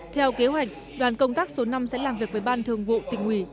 theo kế hoạch đoàn công tác số năm sẽ làm việc với ban thường vụ tình hủy